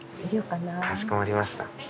かしこまりました。